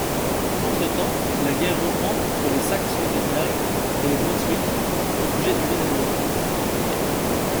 Entre-temps, la guerre reprend entre les Saxe-Wittenberg et les Brunswick au sujet du Lunebourg.